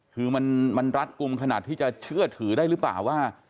คือมันรัดกลุ่มขนาดที่จะเชื่อถือได้หรือเปล่าว่า